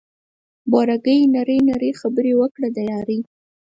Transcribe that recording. بوره ګي نري نري خبري وکړه د یاري